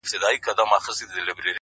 هله تياره ده په تلوار راته خبري کوه;